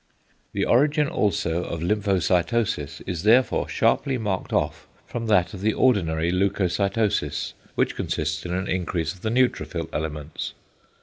The origin also of lymphocytosis is therefore sharply marked off from that of the ordinary leucocytosis, which consists in an increase of the neutrophil elements.